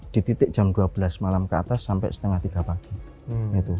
di titik jam dua belas malam ke atas sampai setengah tiga pagi